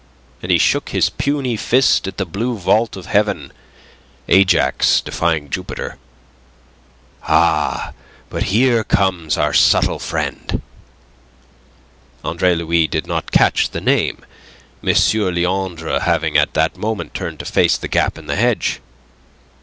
And he shook his puny fist at the blue vault of heaven Ajax defying Jupiter. "Ah, but here comes our subtle friend..." (Andre Louis did not catch the name, M. Leandre having at that moment turned to face the gap in the hedge.)